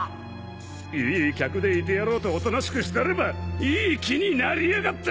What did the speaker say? いい客でいてやろうとおとなしくしてればいい気になりやがって！